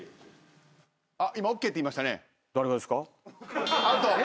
今「ＯＫ」って言いましたね。